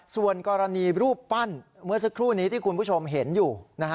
ส่วนกรณีรูปปั้นเมื่อสักครู่นี้ที่คุณผู้ชมเห็นอยู่